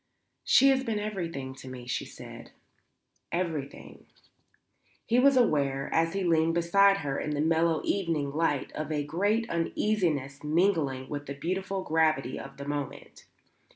"She has been everything to me," she said. "Everything." He was aware, as he leaned beside her in the mellow evening light, of a great uneasiness mingling with the beautiful gravity of the moment.